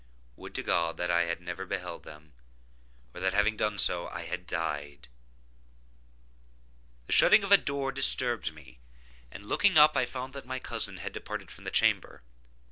Would to God that I had never beheld them, or that, having done so, I had died! The shutting of a door disturbed me, and, looking up, I found that my cousin had departed from the chamber.